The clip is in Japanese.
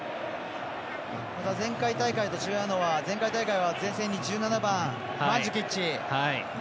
前回大会と違うのは前回大会は前線に１７番の選手。